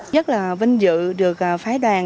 rất là vinh dự được phái đoàn